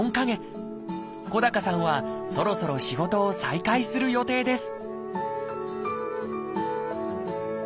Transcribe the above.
小高さんはそろそろ仕事を再開する予定です